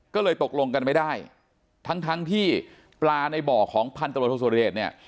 ก็เลยตกลงกันไม่ได้ทั้งทั้งที่ปลาในบ่อของพันธบทสุรเดชเนี่ย